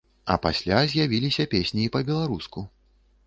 А пасля з'явіліся і песні па-беларуску.